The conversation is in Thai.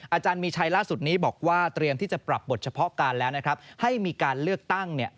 อาจารย์มีชัยล่าสุดนี้บอกว่าเตรียมที่จะปรับบทเฉพาะการแล้วนะครับให้มีการเลือกตั้งเนี่ย